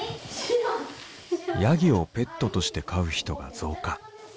ヤギをペットとして飼う人が増加。